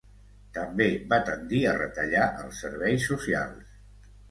També va tendir a retallar els serveis socials.